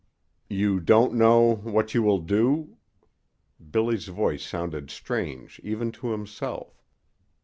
"You don't know what you will do " Billy's voice sounded strange even to himself.